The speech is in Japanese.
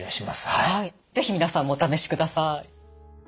是非皆さんもお試しください。